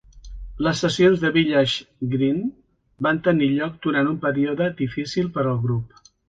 Les sessions de "Village Green" van tenir lloc durant un període difícil per al grup.